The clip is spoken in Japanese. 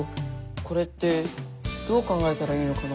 これってどう考えたらいいのかな？